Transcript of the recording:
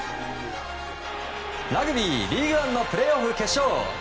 ラグビーリーグワンのプレーオフ決勝。